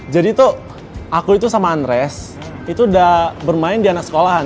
jadi tuh aku itu sama andres itu udah bermain di anak sekolahan